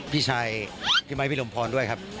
พี่ชายพี่ไมค์พี่ลมพรด้วยครับ